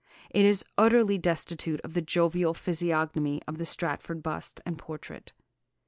It is utterly destitute of the jovial physiognomy of the Stratford bust and portrait.